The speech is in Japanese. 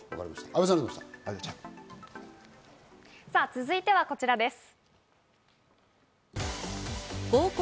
阿部さん、続いてはこちらです。